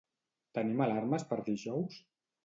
Tenim alarmes per dijous?